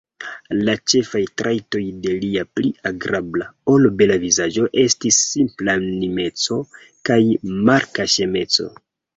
La ĉefaj trajtoj de lia pli agrabla, ol bela vizaĝo estis simplanimeco kaj malkaŝemeco.